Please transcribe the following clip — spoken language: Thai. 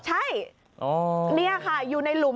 ใช่นี่ค่ะอยู่ในหลุม